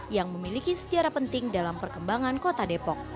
yang memiliki sejarah penting dalam perkembangan kota depok